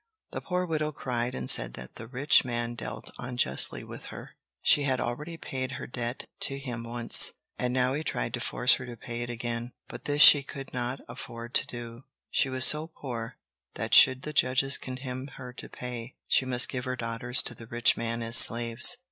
The poor widow cried and said that the rich man dealt unjustly with her; she had already paid her debt to him once, and now he tried to force her to pay it again, but this she could not afford to do; she was so poor that should the judges condemn her to pay, she must give her daughters to the rich man as slaves.